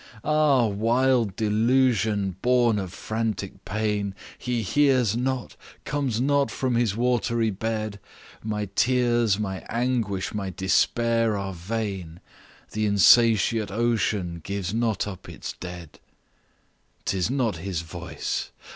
"Ah, wild delusion, born of frantic pain! He hears not, comes not from his watery bed; My tears, my anguish, my despair are vain, The insatiate ocean gives not up its dead. " 'Tis not his voice!